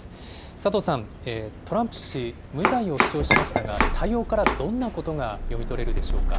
佐藤さん、トランプ氏、無罪を主張しましたが、対応からどんなことが読み取れるでしょうか。